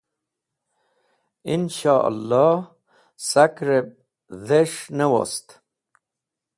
Inshoallo sakrẽb dhish ne wost